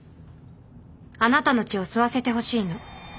あなたの血を吸わせてほしいの。